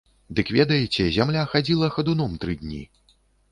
Дык ведаеце, зямля хадзіла хадуном тры дні.